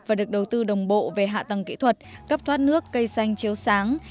và được đầu tư đồng bộ về hạ tầng kỹ thuật cấp thoát nước cây xanh chiếu sáng